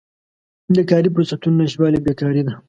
د کاري فرصتونو نشتوالی بیکاري ده.